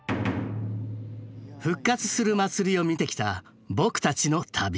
復活する祭りを見てきた僕たちの旅。